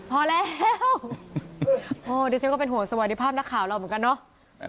พอแล้วโอ้ดิฉันก็เป็นห่วงสวัสดีภาพนักข่าวเราเหมือนกันเนาะ